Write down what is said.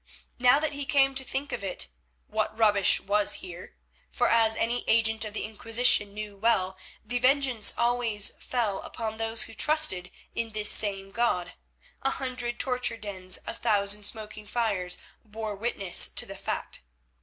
Now that he came to think of it, what rubbish was here, for as any agent of the Inquisition knew well, the vengeance always fell upon those who trusted in this same God; a hundred torture dens, a thousand smoking fires bore witness to the fact.